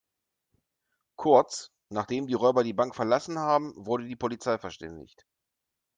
Kurz, nachdem die Räuber die Bank verlassen haben, wurde die Polizei verständigt.